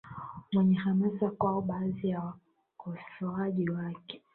mwenye hamasa kwao Baadhi ya wakosoaji wake